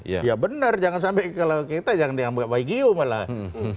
ya benar jangan sampai kalau kita jangan dianggap bayi giu malah